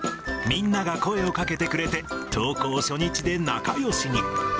みんなが声をかけてくれて、登校初日で仲よしに。